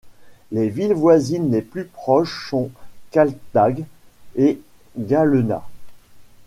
Les villes voisines les plus proches sont Kaltag et Galena.